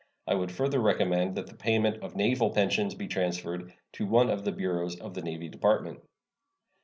I would further recommend that the payment of naval pensions be transferred to one of the bureaus of the Navy Department.